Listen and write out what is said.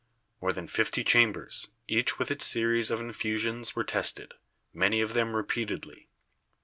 More than fifty chambers, each with its series of infusions, were tested, many of them repeatedly.